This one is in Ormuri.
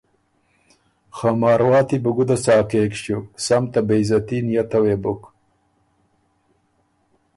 خه مارواتی بو ګُده څاکېک ݭیوک سم ته بې عزتي نئته وې بُک۔